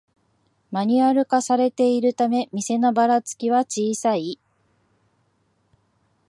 マニュアル化されているため店のバラつきは小さい